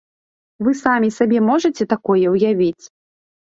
Вы сабе можаце такое ўявіць?!